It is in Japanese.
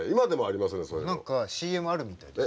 何かＣＭあるみたいですよ。